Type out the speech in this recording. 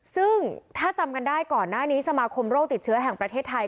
ซึ่งถ้าจำกันได้ก่อนหน้านี้สมาคมโรคติดเชื้อแห่งประเทศไทย